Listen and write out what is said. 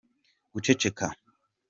guceceka.